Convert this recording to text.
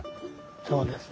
そうです。